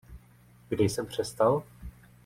Kde jsem přestal?